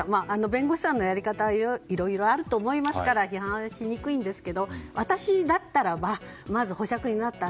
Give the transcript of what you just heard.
弁護士さんのやり方はいろいろあると思いますから批判しにくいんですけど私だったらばまず保釈になった